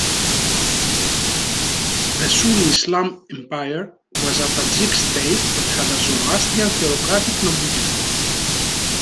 The Sunni Islam empire was a Tajik state and had a Zoroastrian theocratic nobility.